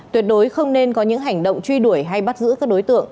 tuyệt đối không nên có những hành động truy đuổi hay bắt giữ các đối tượng